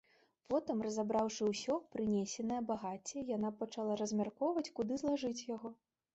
Потым, разабраўшы ўсё прынесенае багацце, яна пачала размяркоўваць, куды злажыць яго.